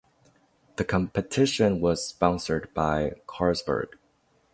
The competition was sponsored by Carlsberg.